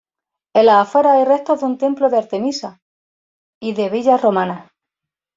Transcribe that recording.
En las afueras hay restos de un templo de Artemisa y de villas romanas.